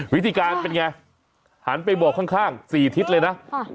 วิธีการเป็นไงหันไปบอกข้าง๔ทิศเลยนะ